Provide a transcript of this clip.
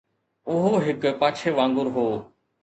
اهو هڪ پاڇي وانگر هو